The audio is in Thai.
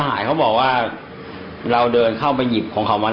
อ๊าวระเออฟังเขาสี่